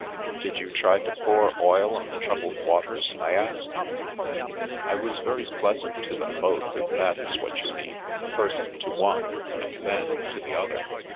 "Did you try to pour oil on the troubled waters?" I asked. " I was very pleasant to them both, if that is what you mean, first to one and then to the other.